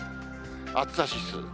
暑さ指数。